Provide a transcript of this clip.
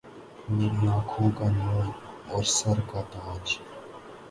میری آنکهون کا نور أور سر کا تاج